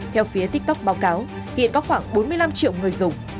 theo phía tiktok báo cáo hiện có khoảng bốn mươi năm triệu người dùng